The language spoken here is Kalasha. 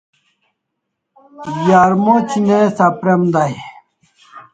Yar moc' ne sapr'em day